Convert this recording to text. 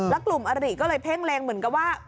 แล้วกลุ่มอริก็เลยเพ่งเล็งเหมือนกับว่า